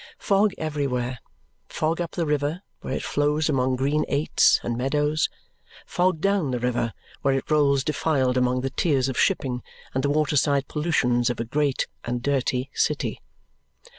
Fog everywhere. Fog up the river, where it flows among green aits and meadows; fog down the river, where it rolls defiled among the tiers of shipping and the waterside pollutions of a great (and dirty) city.